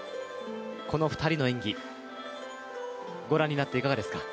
この２人の演技、ご覧になっていかがですか。